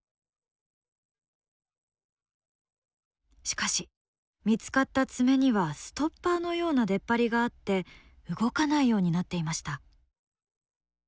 しかし見つかった爪にはストッパーのような出っ張りがあって動かないようになっていました。